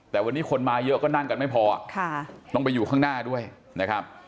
แต่วันนี้คนมาเยอะก็นั่งกันไม่พอต้องไปอยู่ข้างหน้าด้วยนะครับ